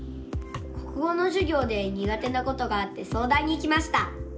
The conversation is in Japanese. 国語のじゅぎょうでにが手なことがあってそうだんに来ました。